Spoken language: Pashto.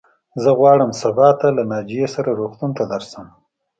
زه غواړم سبا ته له ناجيې سره روغتون ته درشم.